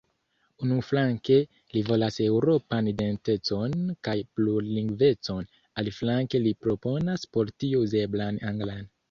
Unuflanke, li volas eŭropan identecon kaj plurlingvecon, aliflanke li proponas por tio "uzeblan anglan".